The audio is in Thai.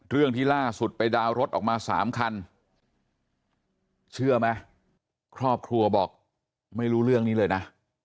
เรื่องที่ล่าสุดไปดาวน์รถออกมา๓คันเชื่อไหมครอบครัวบอกไม่รู้เรื่องนี้เลยนะ